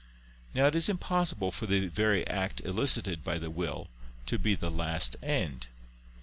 Now it is impossible for the very act elicited by the will to be the last end.